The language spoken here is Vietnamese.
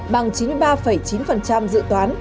bằng chín mươi ba chín dự toán